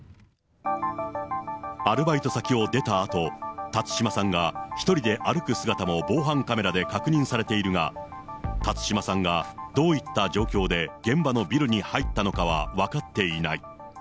アルバイト先を出た後、辰島さんが一人で歩く姿も防犯カメラで確認されているが、辰島さんがどういった状況で現場のビルに入ったのかは分かっていない。